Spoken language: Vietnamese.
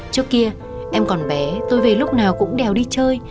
trước kia em còn bé tôi về lúc nào cũng đèo đi chơi